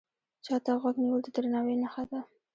چا ته غوږ نیول د درناوي نښه ده